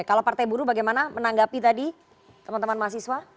kalau partai buruh bagaimana menanggapi tadi teman teman mahasiswa